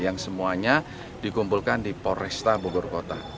yang semuanya dikumpulkan di polresta bogor kota